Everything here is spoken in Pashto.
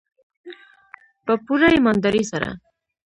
په پوره ایمانداري سره.